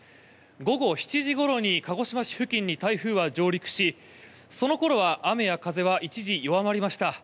午後７時ごろに鹿児島市付近に台風は上陸しその頃は雨や風は一時弱まりました。